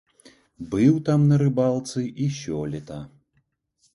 Быў там на рыбалцы і сёлета.